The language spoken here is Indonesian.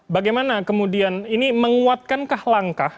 bagaimana kemudian ini menguatkankah langkah